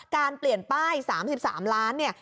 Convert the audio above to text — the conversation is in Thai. การเปลี่ยนป้าย๓๓ล้าน